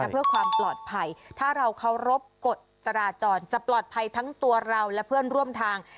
เพื่อความปลอดภัยถ้าเราเคารพกฎจราจรจะปลอดภัยทั้งตัวเราและเพื่อนร่วมทาง